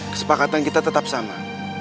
kesepakatan kita tetap sama